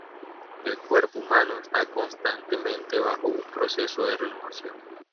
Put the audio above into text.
El cuerpo humano está constantemente bajo un proceso de renovación.